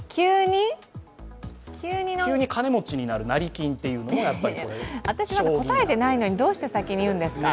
急に金持ちになる、成り金という人私、まだ答えてないのにどうして先に言うんですか？